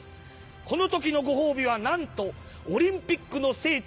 この時のご褒美はなんとオリンピックの聖地